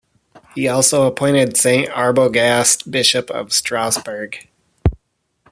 He also appointed Saint Arbogast bishop of Strasbourg.